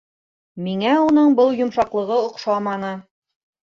Миңә уның был йомшаҡлығы оҡшаманы.